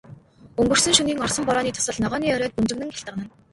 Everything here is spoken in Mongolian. Өнгөрсөн шөнийн орсон борооны дусал ногооны оройд бөнжгөнөн гялтганана.